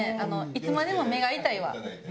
いつまでも目が痛いです。